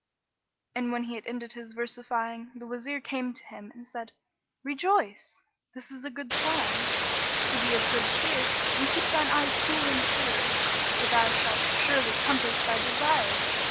And when he had ended his versifying, the Wazir came to him and said, "Rejoice; this is a good sign: so be of good cheer and keep thine eyes cool and clear, for thou shalt surely compass thy desire."